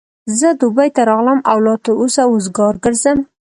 زه دبۍ ته راغلم او لا تر اوسه وزګار ګرځم.